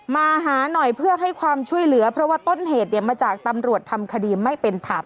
มาหาหน่อยเพื่อให้ความช่วยเหลือเพราะว่าต้นเหตุเนี่ยมาจากตำรวจทำคดีไม่เป็นธรรม